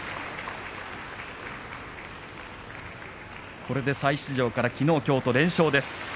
これで再出場からきのうきょうと連勝です。